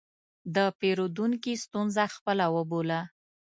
د پیرودونکي ستونزه خپله وبوله.